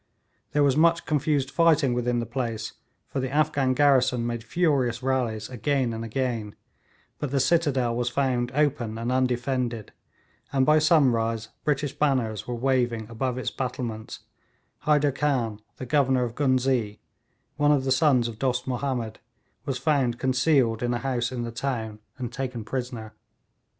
There was much confused fighting within the place, for the Afghan garrison made furious rallies again and again; but the citadel was found open and undefended, and by sunrise British banners were waving above its battlements Hyder Khan, the Governor of Ghuznee, one of the sons of Dost Mahomed, was found concealed in a house in the town and taken prisoner.